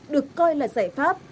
được coi là giải pháp